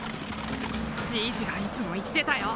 じいじがいつも言ってたよ